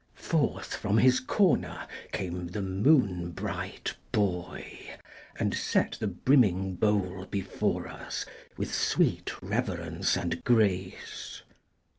" Forth from his corner came The moonbright boy, and set the brimming bowl Before us, with sweet reverence and grace.